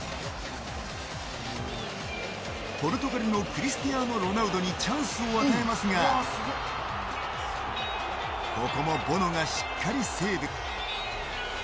ポルトガルのクリスティアーノ・ロナウドにチャンスを与えますがここもボノがしっかりセーブ。